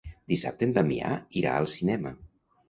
Dissabte en Damià irà al cinema.